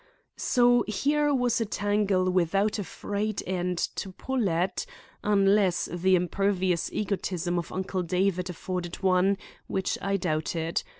So here was a tangle without a frayed end to pull at, unless the impervious egotism of Uncle David afforded one, which I doubted.